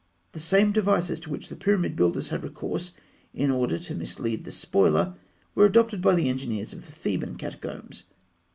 The same devices to which the pyramid builders had recourse, in order to mislead the spoiler, were adopted by the engineers of the Theban catacombs.